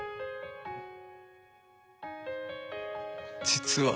実は。